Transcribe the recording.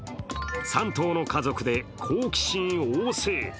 ３頭の家族で好奇心旺盛。